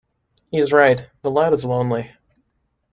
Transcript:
She's right; the lad is lonely.